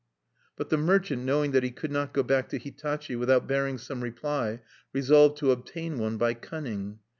But the merchant, knowing that he could not go back to Hitachi without bearing some reply, resolved to obtain one by cunning.